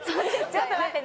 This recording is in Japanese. ちょっと待って。